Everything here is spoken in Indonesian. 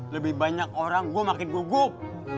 lebih banyak orang gue makin gugup